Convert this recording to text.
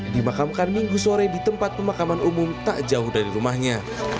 dimakamkan minggu sore di tempat pemakaman umum tak jauh dari rumahnya